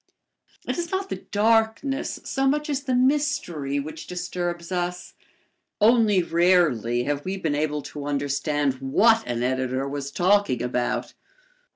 It is not the darkness so much as the mystery which disturbs us. Only rarely have we been able to understand what an editor was talking about.